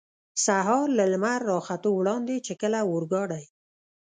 سهار له لمر را ختو وړاندې، چې کله اورګاډی.